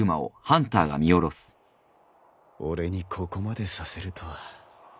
俺にここまでさせるとは